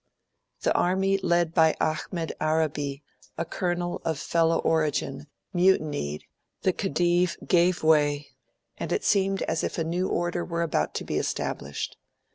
The army led by Ahmed Arabi, a Colonel of fellah origin, mutinied, the Khedive gave way, and it seemed as if a new order were about to be established.